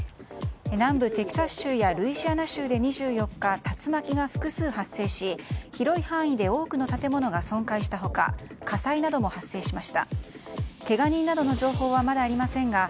南部テキサス州やルイジアナ州で２４日竜巻が複数発生し広い範囲で多くの建物が損壊した他火災なども発生しました。